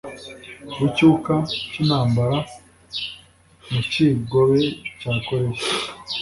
w’icyuka cyintambara mu cyigobe cya Koreya